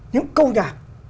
những câu nhạc